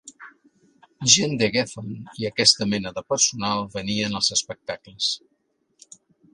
Gent de Geffen i aquesta mena de personal venien als espectacles.